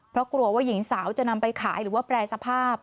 เพราะกลัวว่าหญิงสาวจะนำไปขายหรือว่าแปรสภาพ